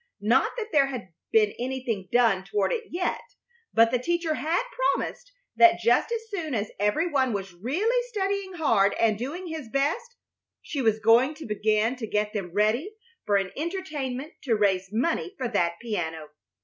Not that there had been anything done toward it yet, but the teacher had promised that just as soon as every one was really studying hard and doing his best, she was going to begin to get them ready for an entertainment to raise money for that piano.